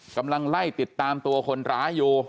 กำลังไล่ติดตามตัวคนร้ายอยู่